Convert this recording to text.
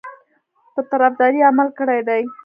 په طرفداري عمل کړی دی.